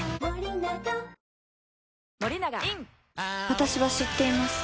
私は知っています